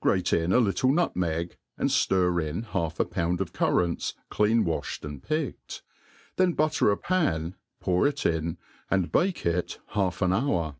Grate in a "little nutipeg, and ftir in half a pound of Cjiirrants, clean waflied and picked ^ then butter a pan, poiif it in, and bake it half an hour.